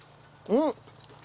うん！